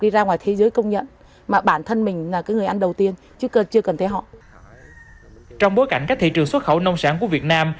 trong bối cảnh các thị trường xuất khẩu nông sản của việt nam